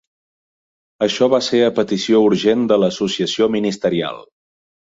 Això va ser a petició urgent de l'Associació Ministerial.